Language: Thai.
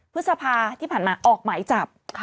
พฤษภาที่ผ่านมาออกหมายจับ